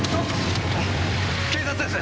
警察です。